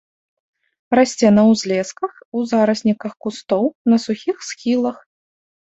Расце на ўзлесках, у зарасніках кустоў, на сухіх схілах.